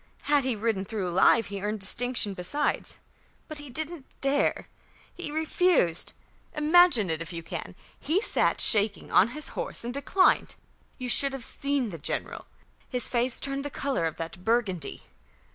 Had he ridden through alive he earned distinction besides. But he didn't dare; he refused! Imagine it if you can! He sat shaking on his horse and declined. You should have seen the general. His face turned the colour of that Burgundy.